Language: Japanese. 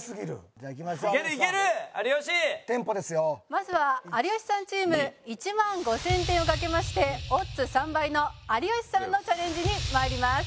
まずは有吉さんチーム１万５０００点を賭けましてオッズ３倍の有吉さんのチャレンジに参ります。